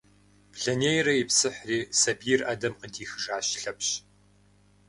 Блэнейрэ ипсыхьри, сабийр ӏэдэм къыдихыжащ Лъэпщ.